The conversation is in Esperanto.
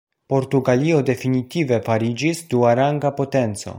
Portugalio definitive fariĝis duaranga potenco.